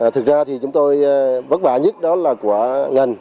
thực ra thì chúng tôi vất vả nhất đó là của ngành